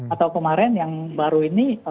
atau kemarin yang baru ini